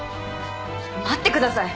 待ってください。